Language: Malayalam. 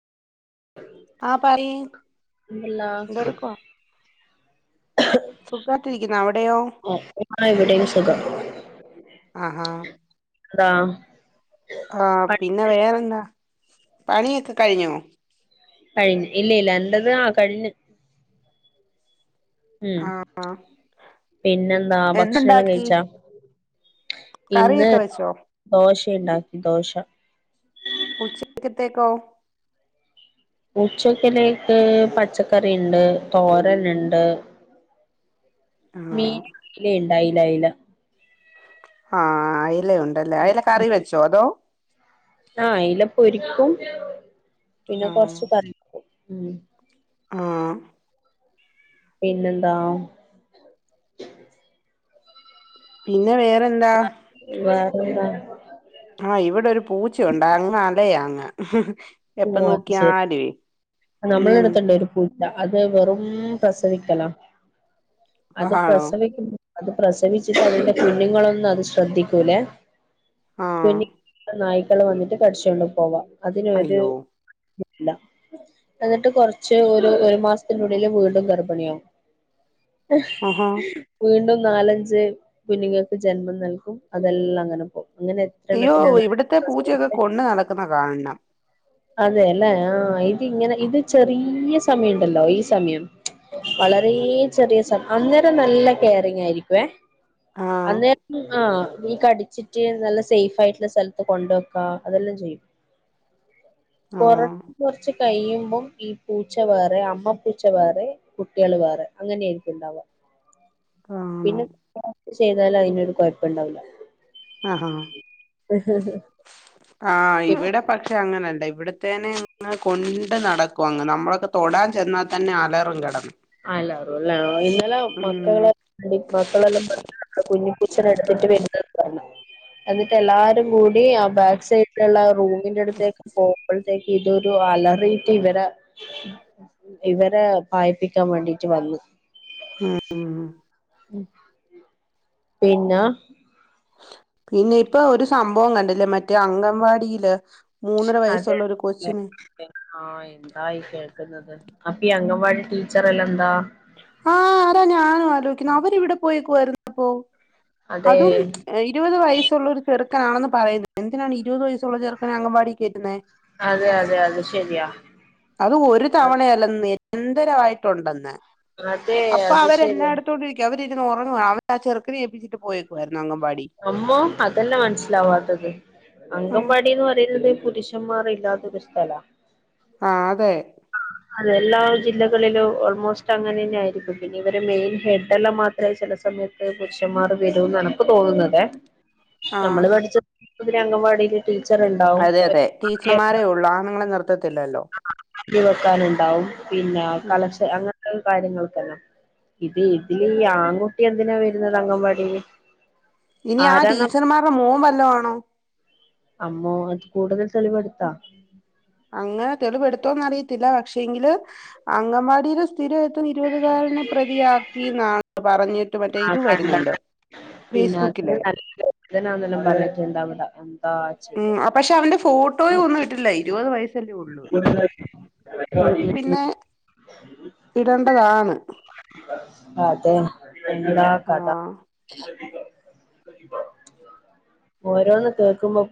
ആഹ് പറ്യ് എന്തല്ലാ എന്തയടുക്കുവാ സുഖായ്ട്ടിരിക്കുന്നു അവിടെയോ ഓ ആ ഇവിടെയും സുഖം ആ ഹാ എന്താ ആഹ് പണി പിന്നെ വേറെന്താ പണിയൊക്കെ കഴിഞ്ഞോ? കഴിഞ്ഞ് ഇല്ല ഇല്ല എന്റെത് ആ കഴിഞ്ഞ് ഉം ആ ആ പിന്നെന്താ ഭക്ഷണം ല്ലാം എന്തുണ്ടാക്കി കഴിച്ചാ ഇന്ന് കറിയൊക്കെ വെച്ചോ ദോശ റിയൊണ്ടാക്കി ദോശ ഉച്ചക്കത്തേക്കോ? ഉച്ചക്കലേക്ക് പച്ചക്കറിണ്ട് തോരന്ണ്ട് ആ മീൻ ന്ലണ്ടായി ല്ലയ്ല ആഹ് ല ഉണ്ടല്ലേ അയില കറി വെച്ചോ അതോ? ആഹ് അയ്ല പൊരിക്കും പിന്നെ ആ കൊർച്ച് കറി വയ്ക്കും ഉം ആഹ് പിന്നെന്താ? പിന്നെ വേറെ വേറെന്താ? ആ അ ഓ അത് ശെരി ഉം നമ്മളടുത്തണ്ട്‌ ഒരു പൂ അത് വെറും പ്രസവിക്കലാ അത് ആണോ പ്രസവിക്കു അത് പ്രസവിച്ചിട്ട് അതിന്റെ കുഞ്ഞുങ്ങളെന്നും അത് ശ്രദ്ധിക്കൂലേ ആ കുനി നായി വന്നിട്ട് കടിച്ചോണ്ട് പോവാം അതിനൊ ഓ എന്നിട്ട് കൊറച്ച് ഒരു ഒരു മാസത്തിനുള്ളില് വീണ്ടും ഗർഭിണിയാവും ആഹാ വീണ്ടും നാലഞ്ച് കുഞ്ഞുങ്ങൾക്ക് ജന്മം നൽകും അതെല്ലാം അങ്ങനെ പോകും അങ്ങനെ അയ്യോ എത്രണ്ണത്തിനാ ഇവിടത്തെ പൂച്ചയൊക്കെ പ്രസവിച്ചേ കൊണ്ട് നടക്കുന്ന കാണണം അതേല്ലേ ആ ഇത് ഇങ്ങനെ ഇത് ചെറിയ സമയണ്ടല്ലോ ഈ സമയം വളരെ ചെറിയ സമ അന്നേരം നല്ല കെയറിങ് ആയിരിക്കുവേ ആ അന്നേരം ആഹ് നീ കടിച്ചിട്ട് നല്ല സേഫായിട്ടുള്ള സ്ഥലത്ത് കൊണ്ട് വെക്കാ അതെല്ലാം ചെയ്യും കൊറ ആഹ് കൊറച്ച് കഴിയും അപ്പം ഈ പൂച്ച വേറെ അമ്മ പൂച്ച വേറെ കുട്ടികൾ വേറെ അങ്ങനെയായിരിക്കും ഉണ്ടാവാ ആണോ പിന്നെ ചെയ്താല് അതിനൊരു കൊയ്പ്പുണ്ടാവില്ല ആഹ് ഉം ഉം ആ ഇവിടെ പക്ഷെ അങ്ങനെയല്ല ഇവിടത്തേനെ അങ്ങ് കൊണ്ട് നടക്കും അങ്ങ് നമ്മളൊക്കെ തൊടാൻ ചെന്നാ തന്നെ അലറും കിടന്ന് അല്ല ഇന്നലെ ഉം മക്കളെ പഠി മക്കളെല്ലാം കുഞ്ഞിപ്പൂച്ചേനെ എടുത്തിട്ട് വരുന്നത് പറയും എന്നിട്ട് എല്ലാരും കൂ ടി ആ ബാക്ക് സൈഡിലുള്ള റൂമിന്റെ അടുത്തേക്ക് പോ ഇപ്പഴത്തേക്ക് ഇതൊരു അലറീട്ട് ഇവരെ ഇവരെ വായിപ്പി എടുക്കാൻ വേണ്ടീട്ട് വന്നു എ ഏഹ് പിന്നാ പിന്നെ ഇപ്പൊ ഒരു സംഭവം കണ്ടില്ലേ മറ്റേ അംഗൻവാടില് അതെ ആ ആ എന്താ ഈ കേൾക്കുന്നത് ഹാപ്പിയാണോ വൾ ടീച്ചറല്ല എന്താ ആ അതാ ഞാനും ആലോചിക്കുന്നേ അവരെവിടെ പോയേക്കുവായിരുന്നു അപ്പോ അതെ അതും ഇരുപത് വയസ്സുള്ള ഒരു ചെറു ചെക്കനാണെന്ന് പറയുന്നു എന്തിനാണ് ഇരുപത് വയസുള്ള ചെറുക്കനെ അംഗൻവാടി കേറ്റുന്നേ അതെ അതെ അത് ശരിയാ അത് നിരന്തരായിട്ടുണ്ടെന്ന് അതെ അപ്പൊ അത് അവര് എന്നാ ശരിയാ എടുത്തോണ്ടിരിക്ക അവര് ഒറങ്ങുവാ അവ ആ ചെറുക്കനെ ഏപ്പിച്ചിട്ട് പോയേക്കുവായിരുന്നു അംഗൻവാടി നമ്മോ അതെല്ലാ മനസ്സിലാവാത്തത് ഉം അങ്കമ്പാടിന്ന് പറയുന്നത് പുരുഷ ഷാന്മാറി ഇല്ലാത്തൊരു സ്ഥലാ ആഹ് അതെ അതെ എല്ലാ ജില്ലകളിലും ഓൾമോസ്റ്റ് അങ്ങനെ തന്നെ ആരിക്കും പിന്നെ ഇവര് മെയിൻ ഹെഡ്ല്ലാം മാത്രേ ചില സമയത്ത് പുരുഷന്മാർ വരൂന്ന്നക്ക് തോന്നുന്നതേ ആ നമ്മള് പഠിച്ച [unintelligible] അംഗൻവാടിയില് അതെ അതെ ടീച്ചർമാരെയ ഉ ആണുങ്ങളെ നിർത്ത പത്തില്ലല്ലോ [unintelligible] വെക്കാനുണ്ടാവും പിന്നെ ഉം കളക്ഷൻ അങ്ങനെ കാര്യങ്ങൾക്കെല്ലാം ഇത് ഇതില് ഈ ആൺകുട്ടി എന്തിനാ വരുന്നത് അങ്കൻവാടിൽ ഇനി ആ ടീച്ചർമാരുടെ മോ വല്ലമാണ് [unintelligible] അമ്മോ അത് കൂടുതൽ തെളിവെടുത്താ അങ്ങനെ തെളിവെടുത്തോന്ന് അറിയത്തില്ല പക്ഷേ എങ്കില് അങ്കവാടിൽ [unintelligible] [unintelligible] [unintelligible] [unintelligible] [unintelligible] പ്രതിയാക്കിയെന്ന് ആ ഇതു കണ്ടത് വരുന്നുണ്ട് പിന്നെ ഫെയ്സ്ബുക്കിൽ അതിന് നല്ല വേദനാന്നെല്ലാം പറഞ്ഞിട്ടുണ്ട് അവിടെ എന്താ ചെയ്യാ ട്ട പോയി ഒന്നിട്ടില്ലേ ഇരുപത് വയസല്ലേ ഉള്ളൂ പിന്നെ ഇടേണ്ടതാണ് അതെ എന്താ കഥ ആ ഓരോണ്ണം കേൾക്കുമ്പോൾ